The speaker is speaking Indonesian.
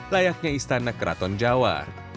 layaknya istana keraton jawa